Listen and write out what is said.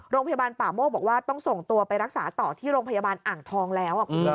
โรงพยาบาลป่าโมกบอกว่าต้องส่งตัวไปรักษาต่อที่โรงพยาบาลอ่างทองแล้ว